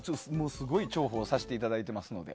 すごい重宝させていただいてますので。